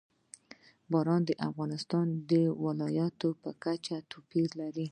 باران د افغانستان د ولایاتو په کچه توپیر لري.